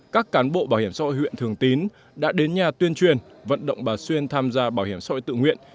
các cán bộ bảo hiểm xã hội huyện thường tín đã đến nhà tuyên truyền vận động bà xuyên tham gia bảo hiểm xã hội tự nguyện